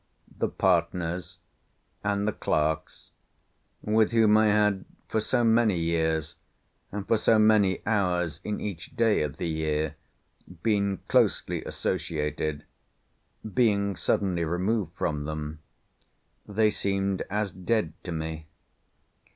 The partners, and the clerks, with whom I had for so many years, and for so many hours in each day of the year, been closely associated—being suddenly removed from them—they seemed as dead to me.